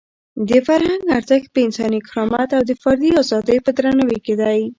د فرهنګ ارزښت په انساني کرامت او د فردي ازادۍ په درناوي کې دی.